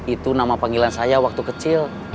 itu nama panggilan saya waktu kecil